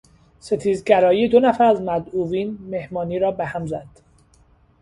ستیزگرایی دو نفر از مدعوین مهمانی را به هم زد.